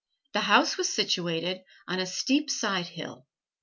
The house was situated on a steep side hill.